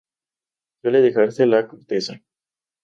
Suele dejarse la corteza.